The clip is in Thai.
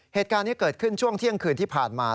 เหตุการณ์นี้เกิดขึ้นช่วงเที่ยงคืนที่ผ่านมา